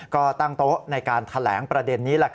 ก็ตั้งโต๊ะในการแถลงประเด็นนี้